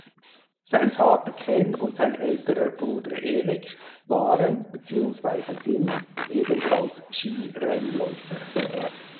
Sein Vater Ken und sein älterer Bruder Erik waren beziehungsweise sind ebenfalls Skirennläufer.